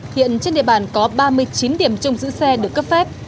hiện trên địa bàn có ba mươi chín điểm trông giữ xe được cấp phép